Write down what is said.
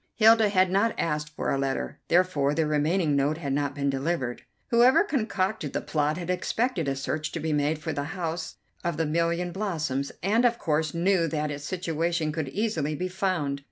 Hilda had not asked for a letter, therefore the remaining note had not been delivered. Whoever concocted the plot had expected a search to be made for the House of the Million Blossoms, and of course knew that its situation could easily be found.